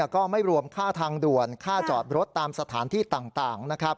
ก็ไม่รวมค่าทางด่วนค่าจอดรถตามสถานที่ต่างนะครับ